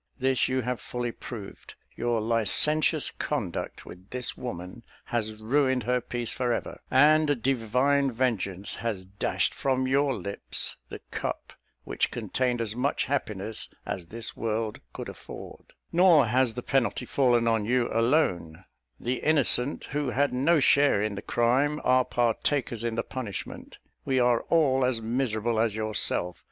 This you have fully proved: your licentious conduct with this woman has ruined her peace for ever, and Divine vengeance has dashed from your lips the cup which contained as much happiness as this world could afford: nor has the penalty fallen on you alone the innocent, who had no share in the crime, are partakers in the punishment; we are all as miserable as yourself.